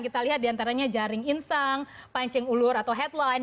kita lihat diantaranya jaring insang pancing ulur atau headline